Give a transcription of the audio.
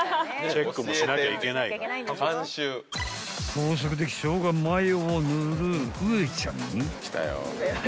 ［高速でショウガマヨを塗るウエちゃんに］